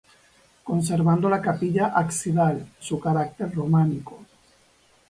Conservando la capilla absidal su carácter románico.